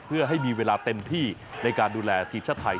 เพื่อให้มีเวลาเต็มที่ในการดูแลทีมชาติไทย